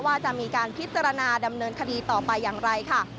ว่าจะมีการพิจารณาดำเนินคดีต่อไปอย่างไรค่ะ